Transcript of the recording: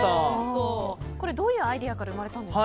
これはどういうアイデアから生まれたんですか？